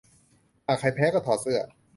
หากใครแพ้ก็ถอดเสื้อ